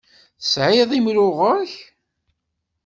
Tesɛiḍ imru ɣer-k?